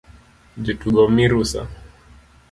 Jotugo omii rusa